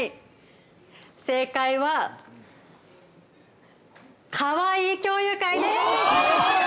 ◆正解は、かわいい共有会です。